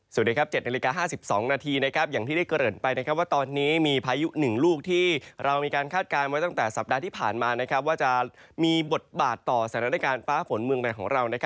สวัสดีครับ๗นาฬิกา๕๒นาทีอย่างที่ได้เกริ่นไปว่าตอนนี้มีพายุ๑ลูกที่เรามีการคาดการณ์ไว้ตั้งแต่สัปดาห์ที่ผ่านมาว่าจะมีบทบาทต่อสถานการณ์ฟ้าฝนเมืองในของเรา